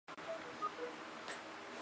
纳沃伊州是乌兹别克十二个州份之一。